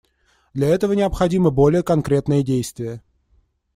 Для этого необходимы более конкретные действия.